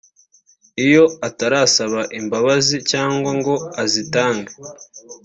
Iyo utarasaba imbabazi cyangwa ngo uzitange